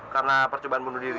karena percobaan bunuh diri